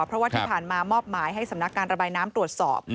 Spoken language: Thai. เพราะว่าที่ผ่านมามอบหมายให้สำนักการระบายน้ำตรวจสอบ